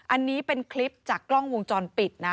อันนี้เป็นคลิปจากกล้องวงจรปิดนะ